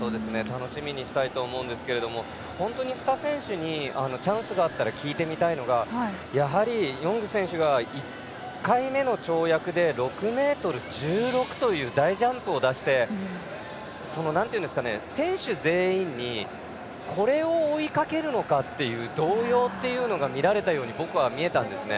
楽しみにしたいと思いますけれども本当に２選手にチャンスがあれば聞いてみたいのがやはり、ヨング選手が１回目の跳躍で６ｍ１６という大ジャンプを出して選手全員にこれを追いかけるのかっていう動揺が見られたように僕は見えたんですね。